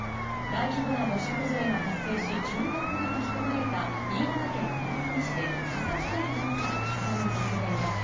大規模な土砂崩れが発生し住宅が巻き込まれた新潟県村上市で佐々木快アナウンサーが取材を続けています。